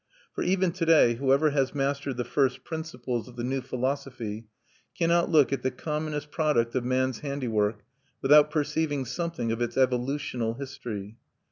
For even to day whoever has mastered the first principles of the new philosophy cannot look at the commonest product of man's handiwork without perceiving something of its evolutional history.